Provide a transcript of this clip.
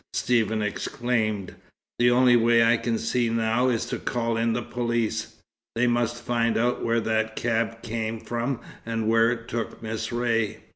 Stephen exclaimed. "The only way I can see now is to call in the police. They must find out where that cab came from and where it took Miss Ray.